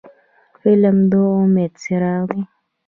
فلم د امید څراغ دی